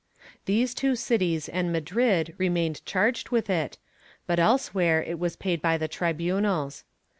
These two cities and Madrid remained charged with it, but elsewhere it was paid by the tribunals.